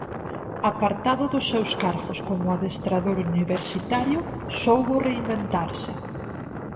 Apartado dos seus cargos como adestrador universitario, soubo reinventarse.